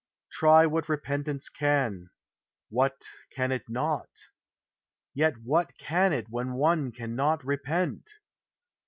Try what repentance can: what can it not? Vet what can it when one cannot repent?